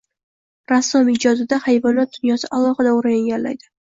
Rassom ijodida hayvonot dunyosi alohida o‘rin egallaydi.